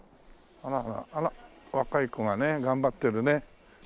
あら若い子がね頑張ってるね。